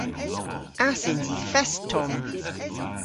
Ass yns i fest tomm!